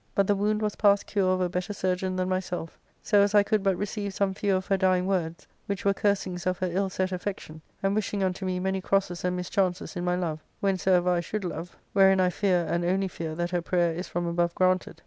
But the* wound was past cure of a better surgeon than myself ; so as I could but receive some few of her dying words, which were cursings of her illset affection, and wishing unto me many crosses and mischances in my love, whensoever I should love ; wherein I fear, and only fear, that her prayer is from above granted.